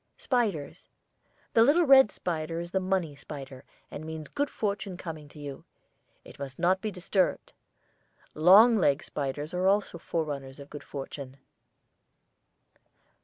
SPIDERS. The little red spider is the money spider, and means good fortune coming to you. It must not be disturbed. Long legged spiders are also forerunners of good fortune.